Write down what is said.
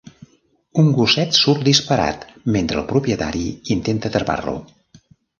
Un gosset surt disparat mentre el propietari intenta atrapar-lo.